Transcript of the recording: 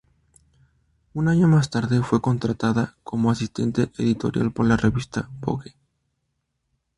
Un año más tarde fue contratada como asistente editorial por la revista "Vogue".